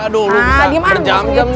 aduh lu bisa berjam jam aja